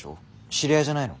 知り合いじゃないの？